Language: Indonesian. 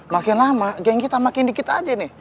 makin lama geng kita makin dikit aja nih